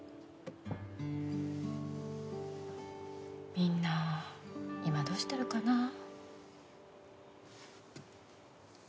みんな今どうしてるかなぁ。